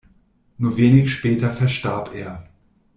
Nur wenig später verstarb er.